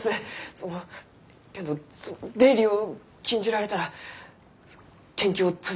そのけんど出入りを禁じられたら研究を続けることができません。